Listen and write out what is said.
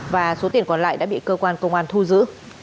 và số tiền còn lại đã bị cơ quan công an thu giữ